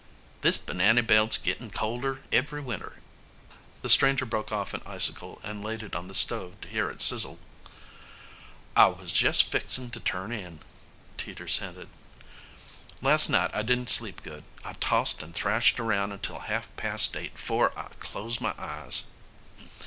"This banany belt's gittin' colder every winter." The stranger broke off an icicle and laid it on the stove to hear it sizzle. "I was jest fixin' to turn in," Teeters hinted. "Last night I didn't sleep good. I tossed and thrashed around until half past eight 'fore I closed my eyes."